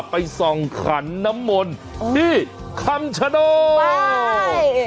ใไปสองขันน้ำมนที่คัมชะโด้ว้าย